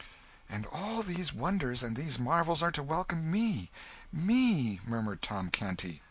"And all these wonders and these marvels are to welcome me me!" murmured Tom Canty.